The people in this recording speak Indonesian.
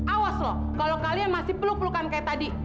awas loh kalau kalian masih peluk pelukan kayak tadi